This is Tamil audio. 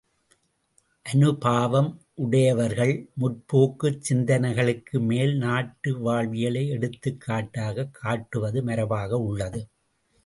அனுபாவம் உடையவர்கள் முற்போக்குச் சிந்தனைகளுக்கு மேல் நாட்டு வாழ்வியலை எடுத்துக்காட்டாகக் காட்டுவது மரபாக உள்ளது.